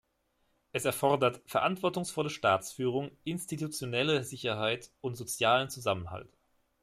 Es erfordert verantwortungsvolle Staatsführung, institutionelle Sicherheit und sozialen Zusammenhalt.